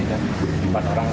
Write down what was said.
dan kita kembalikan empat orang